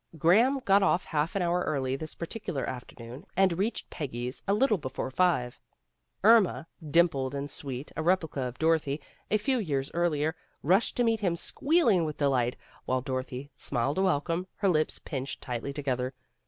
Graham got off half an hour early this particular afternoon, and reached Peggy's a little before five. Irma, dimpled and sweet, a replica of Dorothy a few years earlier, rushed to meet him squealing with delight, while Dorothy smiled a welcome, her lips pinched tightly together.